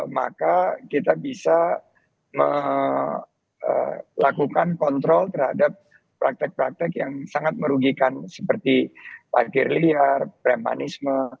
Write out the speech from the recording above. maka kita bisa melakukan kontrol terhadap praktek praktek yang sangat merugikan seperti parkir liar premanisme